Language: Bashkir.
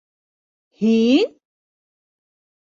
Һин?..